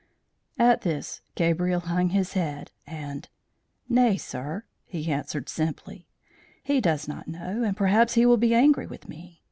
At this Gabriel hung his head, and, "Nay, sir," he answered, simply, "he does not know, and perhaps he will be angry with me!